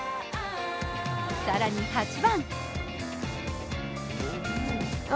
更に８番。